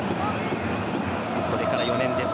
それから４年です。